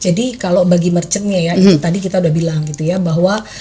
jadi kalau bagi merchantnya ya tadi kita udah bilang gitu ya bahwa